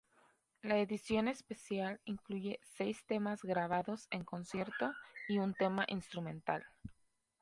La edición especial incluye seis temas grabados en concierto y un tema instrumental.